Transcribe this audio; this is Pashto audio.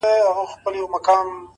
• په دې ښار کي په سلگونو یې خپلوان وه,